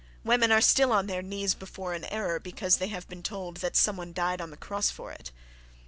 Women are still on their knees before an error because they have been told that some one died on the cross for it.